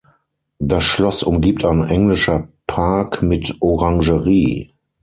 Das Schloss umgibt ein Englischer Park mit Orangerie.